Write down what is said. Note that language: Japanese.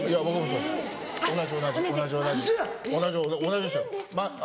同じですよ。